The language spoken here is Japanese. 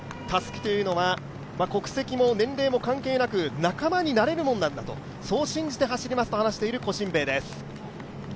たすきというのは国籍も年齢も関係なく仲間になれるものだとそう信じて走りますと話しているコシンベイです。